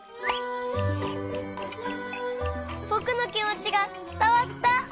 ぼくのきもちがつたわった！